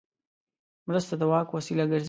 مرسته د واک وسیله ګرځي.